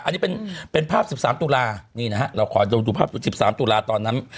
อันนี้เป็นภาพ๑๓ตุลานี่นะฮะเราขอดูภาพ๑๓ตุลาตอนนั้น